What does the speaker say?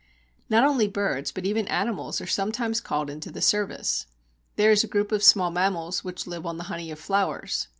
Not only birds but even animals are sometimes called into the service. There is a group of small mammals which live on the honey of flowers.